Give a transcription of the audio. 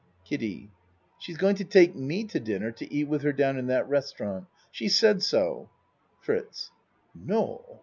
KIDDIE She's going to take me to dinner to eat with her down in that restaurant, she said so. FRITZ No